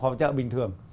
họp chợ bình thường